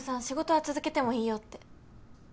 「仕事は続けてもいいよ」って。